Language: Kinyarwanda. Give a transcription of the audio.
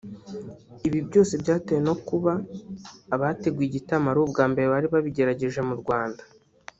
Ibi byose byatewe no kuba abateguye igitaramo ari ubwa mbere bari babigerageje mu Rwanda